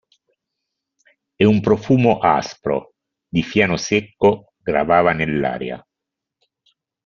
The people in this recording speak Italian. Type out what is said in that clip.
E un profumo aspro di fieno secco gravava nell'aria.